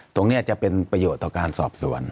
ตรงนี้จะเป็นประโยชน์ต่อการสอบสวน